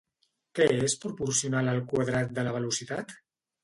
Què és proporcional al quadrat de la velocitat?